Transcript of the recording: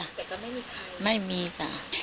แต่ก็ไม่มีใครไม่มีจ้ะ